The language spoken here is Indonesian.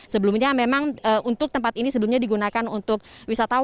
sebelumnya memang untuk tempat ini sebelumnya digunakan untuk wisatawan